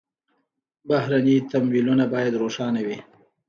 بهرني تمویلونه باید روښانه وي.